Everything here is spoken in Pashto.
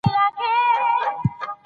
د قرآن کريم بنسټ دی